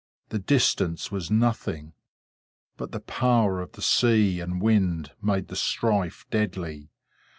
The distance was nothing, but the power of the sea and wind made the strife deadly.